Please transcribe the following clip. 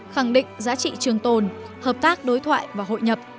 khẳng định giá trị trường tồn hợp tác đối thoại và hội nhập